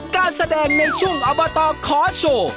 การแสดงในช่วงอบตขอโชว์